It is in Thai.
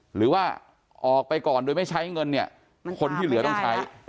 หรือว่าออกไปก่อนโดยไม่ใช้เงินเนี่ยคนที่เหลือต้องใช้